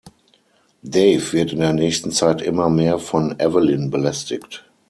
Dave wird in der nächsten Zeit immer mehr von Evelyn belästigt.